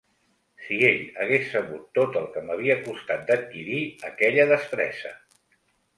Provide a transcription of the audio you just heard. Si ell hagués sabut tot el que m'havia costat d'adquirir aquella destresa.